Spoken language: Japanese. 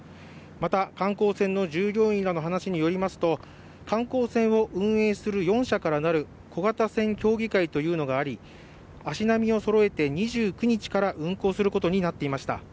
また、観光船の従業員らの話によりますと、観光船を運営する４社からなる小型船協議会というのがあり足並みをそろえて２９日から運航することになっていました。